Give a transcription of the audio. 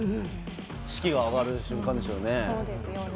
士気が上がる瞬間ですよね。